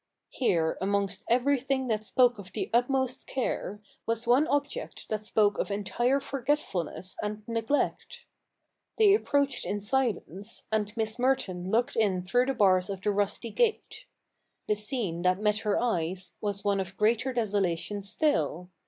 Here, amongst everything that spoke of the utmost care, was one object that spoke of entire forget fulness and neglect. They approached in silence, and Miss Merton looked in through the bars of the rusty gate. The scene that met her eyes was one of greater desolation still.